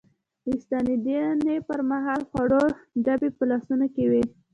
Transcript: د ستنېدنې پر مهال خوړو ډبي په لاسونو کې وې.